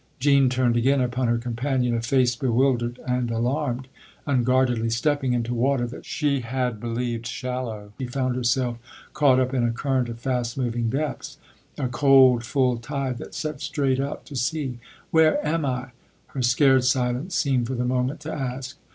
Jean turned again upon her companion a face bewildered and alarmed : unguardedly stepping into water that she had believed shallow, she found herself caught up in a current of fast moving depths a cold, full tide that set straight out to sea. " Where am I ?" her scared silence seemed for the moment to ask.